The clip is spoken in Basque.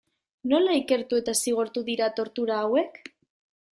Nola ikertu eta zigortu dira tortura hauek?